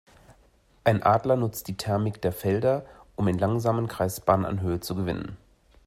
Ein Adler nutzt die Thermik der Felder, um in langsamen Kreisbahnen an Höhe zu gewinnen.